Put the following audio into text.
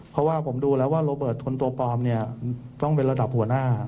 เพราะว่าผมดูแล้วว่าโรเบิร์ตคนตัวปลอมเนี่ยต้องเป็นระดับหัวหน้า